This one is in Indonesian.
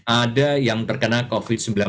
ada yang terkena covid sembilan belas